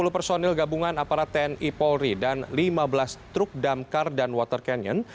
dua ratus lima puluh personil gabungan aparat tni polri dan lima belas truk damkar dan water canyon